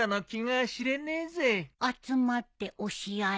集まって押し合い。